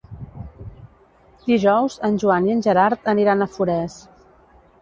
Dijous en Joan i en Gerard aniran a Forès.